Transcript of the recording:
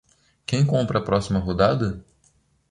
Quem compra a próxima rodada?